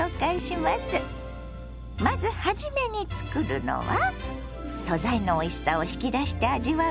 まず初めに作るのは素材のおいしさを引き出して味わう